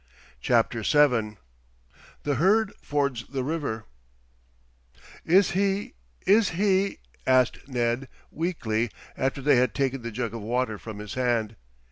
CHAPTER VII THE HERD FORDS THE RIVER "Is he is he " asked Ned, weakly, after they had taken the jug of water from his hand.